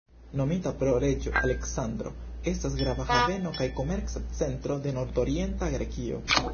Nomita pro Reĝo Aleksandro, estas grava haveno kaj komerca centro de nordorienta Grekio.